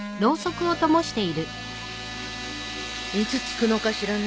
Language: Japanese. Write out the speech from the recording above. いつつくのかしらねえ。